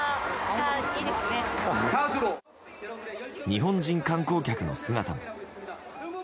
日本人観光客の姿も。